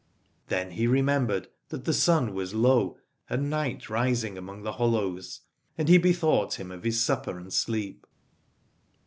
Then he remembered that the sun was low and night rising among the hollows, and he bethought him of his supper and sleep.